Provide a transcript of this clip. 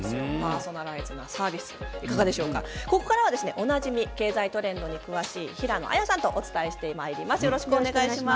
ここからはおなじみ経済トレンドに詳しい平野亜矢さんとお伝えしてまいります。